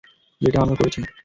যেটা আমরা করেছি।